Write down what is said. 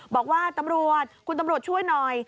บอกว่าตำรวจคุณตำรวจช่วยหน่อย